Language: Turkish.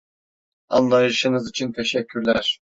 Anlayışınız için teşekkürler.